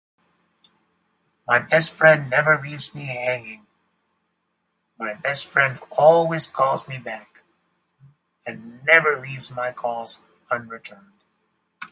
My best friend never leaves me hanging. My best friend always calls me back, and never leaves my calls unreturned.